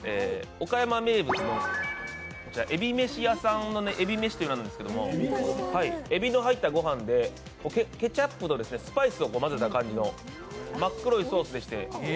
岡山名物のえびめしやさんのえびめしなんですけどえびの入った御飯でケチャップとスパイスを混ぜた感じの真っ黒いソースでして。